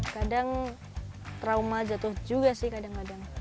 kadang trauma jatuh juga sih kadang kadang